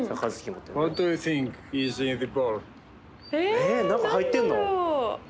えっ何か入ってんの？